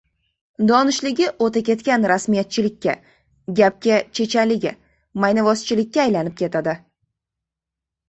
donishligi o‘taketgan rasmiyatchilikka; gapga chechanligi — maynabozchilikka aylanib ketadi.